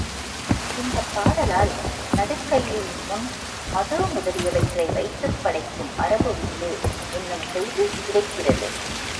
இந்தப் பாடலால், நடுகல்லின் முன் மது முதலியவற்றை வைத்துப் படைக்கும் மரபு உண்டு என்னும் செய்தி கிடைக்கிறது.